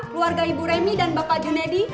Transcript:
keluarga ibu remi dan bapak junedi